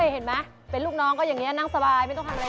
เห็นไหมเป็นลูกน้องก็อย่างนี้นั่งสบายไม่ต้องทำอะไร